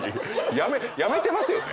辞めてますよね？